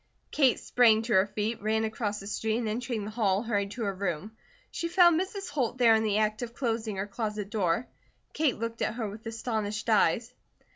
Kate sprang to her feet, ran across the street, and entering the hall, hurried to her room. She found Mrs. Holt there in the act of closing her closet door. Kate looked at her with astonished eyes.